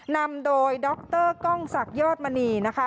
นำโดยด็อกเตอร์กล้องศักดิ์ยอดมณีนะคะ